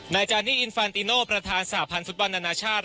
และจานินฟาร์ทีโนประธานสาธารณ์ฟุตบอลนานาชาติ